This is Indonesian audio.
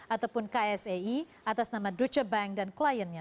ataupun ksei atas nama deutsche bank dan kliennya